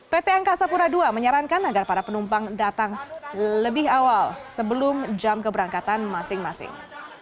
pt angkasa pura ii menyarankan agar para penumpang datang lebih awal sebelum jam keberangkatan masing masing